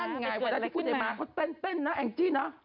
ก็นั่นไงกว่าที่พี่จะมาเขาเต้นนะแองจี้นะ